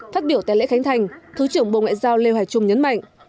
phát biểu tại lễ khánh thành thứ trưởng bộ ngoại giao lê hoài trung nhấn mạnh